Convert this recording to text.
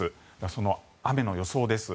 その雨の予想です。